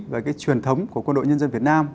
về cái truyền thống của quân đội nhân dân việt nam